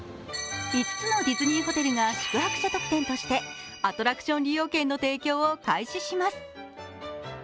５つのディズニーホテルが宿泊者特典としてアトラクション利用券の提供を開始します。